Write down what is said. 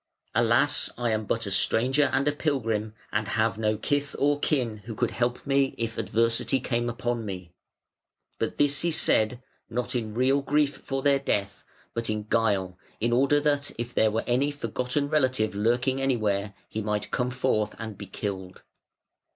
"Alas, I am but a stranger and a pilgrim, and have no kith or kin who could help me if adversity came upon me". But this he said, not in real grief for their death, but in guile, in order that if there were any forgotten relative lurking anywhere he might come forth and be killed.